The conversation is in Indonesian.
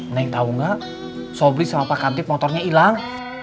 neng tau gak sobri sama pak kanti motornya ilang